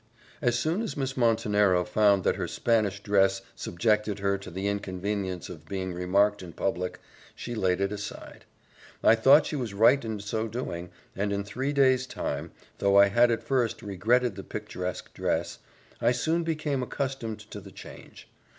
As soon as Miss Montenero found that her Spanish dress subjected her to the inconvenience of being remarked in public she laid it aside. I thought she was right in so doing and in three days' time, though I had at first regretted the picturesque dress, I soon became accustomed to the change.